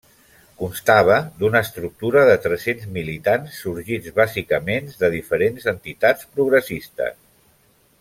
Constava d'una estructura de tres-cents militants sorgits bàsicament de diferents entitats progressistes.